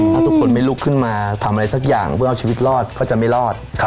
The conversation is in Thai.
ถ้าทุกคนไม่ลุกขึ้นมาทำอะไรสักอย่างเพื่อเอาชีวิตรอดก็จะไม่รอด